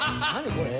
これ。